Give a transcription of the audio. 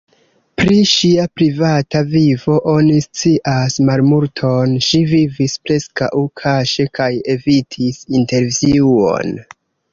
Pri ŝia privata vivo oni scias malmulton; ŝi vivis preskaŭ kaŝe kaj evitis intervjuojn.